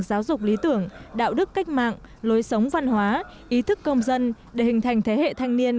giáo dục lý tưởng đạo đức cách mạng lối sống văn hóa ý thức công dân để hình thành thế hệ thanh niên